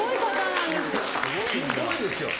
すごいですよ。